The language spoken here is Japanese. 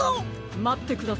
まってください。